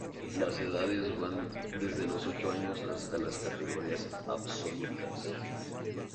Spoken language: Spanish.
Las edades van desde los ocho años hasta las categorías absolutas.